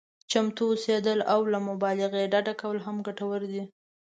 چمتو اوسېدل او له مبالغې ډډه کول هم ګټور دي.